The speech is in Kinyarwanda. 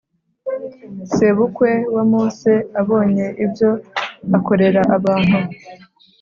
Sebukwe wa Mose abonye ibyo akorera abantu